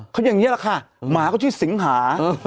เขาอย่างนี้แหละค่ะหมาเขาชื่อสิงหา